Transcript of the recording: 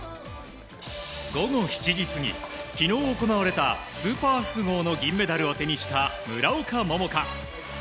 午後７時過ぎ昨日行われたスーパー複合の銀メダルを手にした村岡桃佳。